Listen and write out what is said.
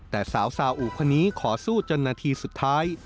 แต่สาวซาอุคนนี้ขอสู้จนนาทีสุดท้าย